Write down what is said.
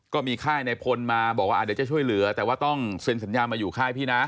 ก็มีค่ายในพลมาบอกว่าเดี๋ยวจะช่วยเหลือแต่ว่าต้องเซ็นสัญญามาอยู่ค่ายพี่นะ